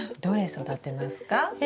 どれ育てますか？